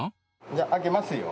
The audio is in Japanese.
じゃあ開けますよ。